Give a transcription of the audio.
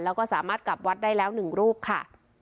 แล้วก็สามารถกลับวัดได้แล้ว๑รูปค่ะ